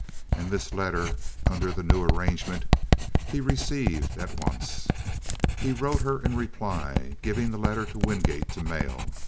And this letter, under the new arrangement, he received at once. He wrote her in reply, giving the letter to Wingate to mail.